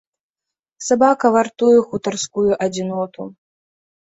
Сабака вартуе хутарскую адзіноту.